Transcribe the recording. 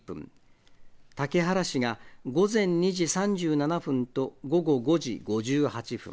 竹原市が午前２時３７分と午後５時５８分。